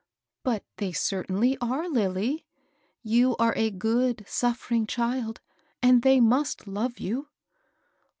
But they certainly are, Lilly ; you are a good, suffering child, and they must love you."